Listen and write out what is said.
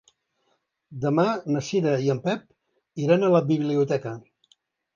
Demà na Cira i en Pep iran a la biblioteca.